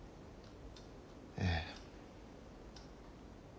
ええ。